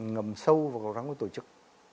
ngầm sâu vào răng của tổ chức